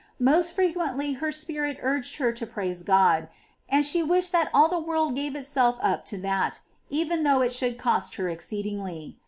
Most frequently her spirit urged her to praise God, and she wished that all the world gave itself up to that, even though it should cost her exceed ingly.